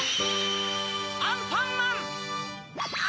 アンパンマン‼あ！